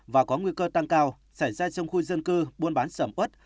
và có nguy cơ tăng cao xảy ra trong khu dân cư buôn bán sầm ớt